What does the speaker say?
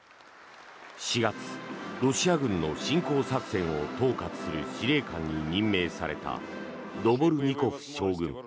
４月、ロシア軍の侵攻作戦を統括する司令官に任命されたドボルニコフ将軍。